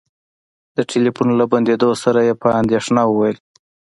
د ټلفون له بندولو سره يې په اندېښنه وويل.